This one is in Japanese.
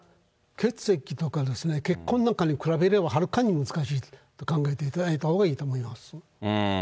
血液とか、血痕なんかに比べれば、はるかに難しいと考えていただいたほうがいいと思います。